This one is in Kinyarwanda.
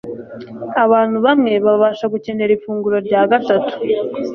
abantu bamwe babasha gukenera ifunguro rya gatatu